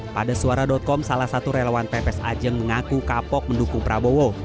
pada suara com salah satu relawan pps ajeng mengaku kapok mendukung prabowo